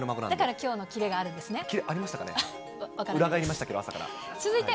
だからきょうの切れがあるんですね。